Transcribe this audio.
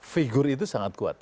figur itu sangat kuat